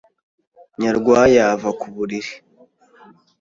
Nyarwaya ava ku buriri,